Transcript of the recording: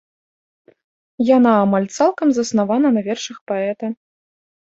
Яна амаль цалкам заснавана на вершах паэта.